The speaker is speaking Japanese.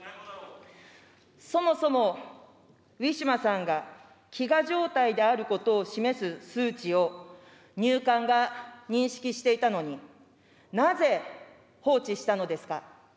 そもそも、ウィシュマさんが飢餓状態であることを示す数値を入管が認識していたのに、なぜ放置したのですか。